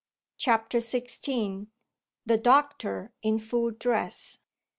CHAPTER XVI THE DOCTOR IN FULL DRESS MR.